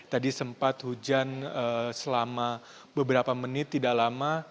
tadi sempat hujan selama beberapa menit tidak lama